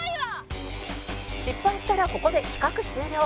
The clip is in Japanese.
失敗したらここで企画終了